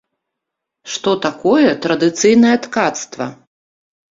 Што такое традыцыйнае ткацтва?